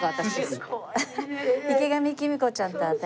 池上季実子ちゃんと私。